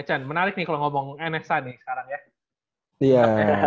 echan menarik nih kalau ngomong nsa nih sekarang ya